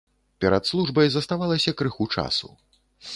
Перад службай заставалася крыху часу.